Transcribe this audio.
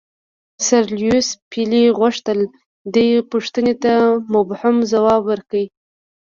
سر لیویس پیلي غوښتل دې پوښتنې ته مبهم ځواب ورکړي.